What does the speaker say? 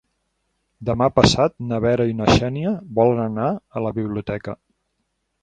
Demà passat na Vera i na Xènia volen anar a la biblioteca.